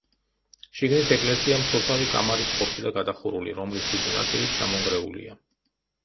შიგნით ეკლესია მცოცავი კამარით ყოფილა გადახურული, რომლის დიდი ნაწილი ჩამონგრეულია.